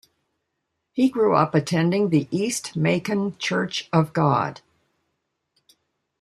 He grew up attending the East Macon Church of God.